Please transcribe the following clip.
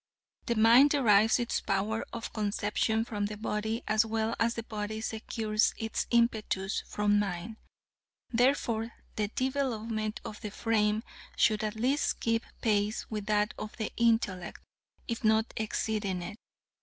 The mind derives its power of conception from the body, as well as the body secures its impetus from mind, therefore, the development of the frame should at least keep pace with that of the intellect, if not exceeding it.